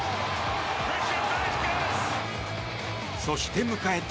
そして迎えた